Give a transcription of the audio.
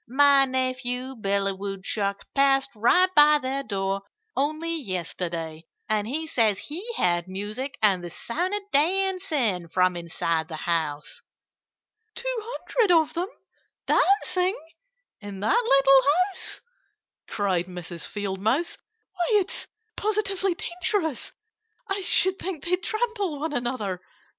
My nephew, Billy Woodchuck, passed right by their door only yesterday; and he says he heard music and the sound of dancing from inside the house." "Two hundred of them dancing in that little house!" cried Mrs. Field Mouse. "Why, it's positively dangerous! I should think they'd trample one another."